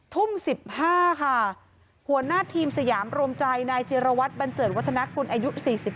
ทุ่ม๑๕ค่ะหัวหน้าทีมสยามรวมใจนายจิรวัตรบันเจิดวัฒนากุลอายุ๔๓